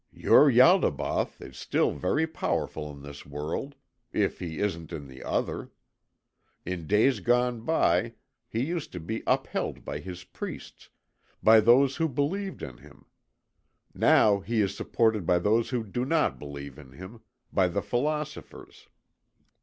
"Your Ialdabaoth is still very powerful in this world, if he isn't in the other. In days gone by he used to be upheld by his priests, by those who believed in him. Now he is supported by those who do not believe in him, by the philosophers.